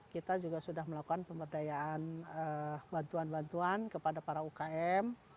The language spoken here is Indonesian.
kita juga sudah melakukan pemberdayaan bantuan bantuan kepada para ukm